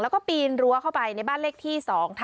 แล้วก็ปีนรั้วเข้าไปในบ้านเลขที่๒๕๖